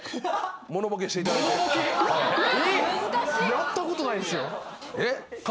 やったことないですよ。